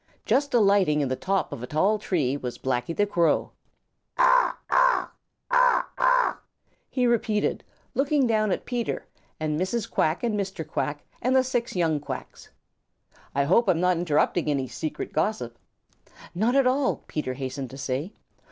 Just alighting in the top of a tall tree was Blacky the Crow. "Caw, caw, caw, caw," he repeated, looking down at Peter and Mrs. Quack and Mr. Quack and the six young Quacks. "I hope I am not interrupting any secret gossip." "Not at all," Peter hastened to say.